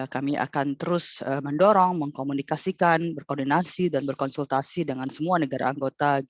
kami akan terus mendorong mengkomunikasikan berkoordinasi dan berkonsultasi dengan semua negara anggota g dua puluh